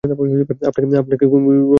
আপনাকে খুব রহস্যময় লেগেছিল।